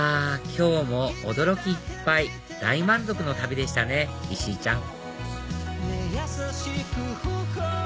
今日も驚きいっぱい大満足の旅でしたね石井ちゃん